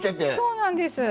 そうなんです。